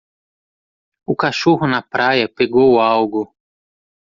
O cachorro na praia pegou algo.